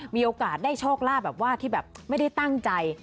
มีโอกาสได้โชคลาภแบบว่าที่แบบไม่ได้ตั้งใจ